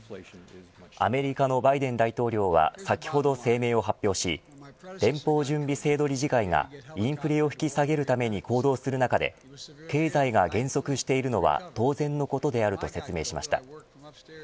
アメリカのバイデン大統領は先ほど声明を発表し連邦準備制度理事会がインフレを引き下げるために行動する中で経済が減速しているのは当然のことであると説明しました。